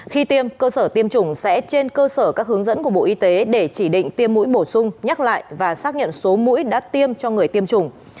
khi tiêm cơ sở tiêm chủng sẽ trên cơ sở các hướng dẫn của bộ y tế để chỉ định tiêm mũi bổ sung nhắc lại và xác nhận số mũi đã tiêm cho người tiêm chủng